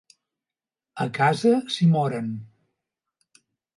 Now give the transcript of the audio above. A casa s'hi moren.